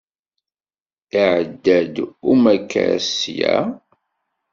Iɛedda-d umakkas sya?